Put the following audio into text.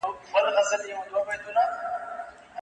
بام نړیږي بلا راولي خپل کورته